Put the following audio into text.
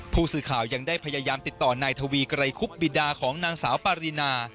ผู้สื่อข่าวยังได้พยายามติดต่อนายทวีไกรคุบบิดาของนางสาวปารีนา